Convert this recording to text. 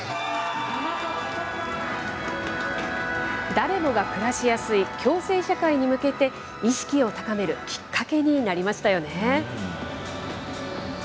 誰もが暮らしやすい共生社会に向けて、意識を高めるきっかけになりましたよね。